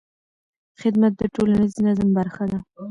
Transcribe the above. خدمت د ټولنیز نظم برخه ده.